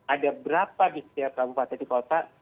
ada berapa di setiap kabupaten di kota